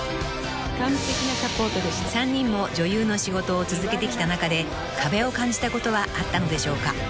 ［３人も女優の仕事を続けてきた中で壁を感じたことはあったのでしょうか？］